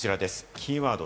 キーワード